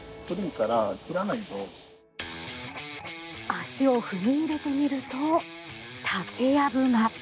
足を踏み入れてみると竹やぶが。